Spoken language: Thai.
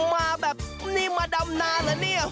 มาแบบนี้มาดำนานเหรอเนี่ย